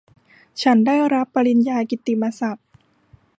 ฉันได้รับปริญญากิตติมศักดิ์